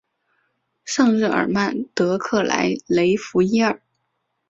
圣日尔曼德克莱雷弗伊尔。